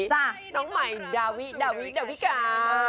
จ้ะน้องใหม่ดาวิดาวิกา